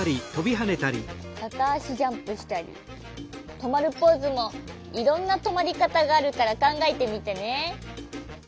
かたあしジャンプしたりとまるポーズもいろんなとまりかたがあるからかんがえてみてね。